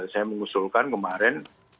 saya mengusulkan kemarin